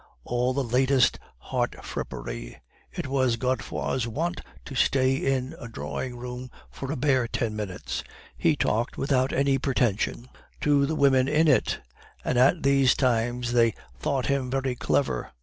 all the latest heart frippery. It was Godefroid's wont to stay in a drawing room for a bare ten minutes; he talked without any pretension to the women in it, and at these times they thought him very clever.